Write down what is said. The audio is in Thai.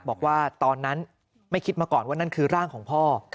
บอกว่าตอนนั้นไม่คิดมาก่อนว่านั่นคือร่างของพ่อ